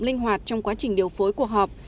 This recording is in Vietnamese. linh hoạt trong quá trình điều phối cuộc họp